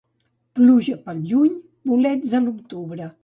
Pluja pel juny, bolets a l'octubre.